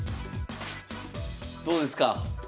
どうですか！